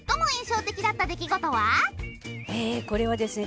これはですね